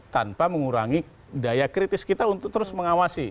tanpa mengurangi daya kritis kita untuk terus mengawasi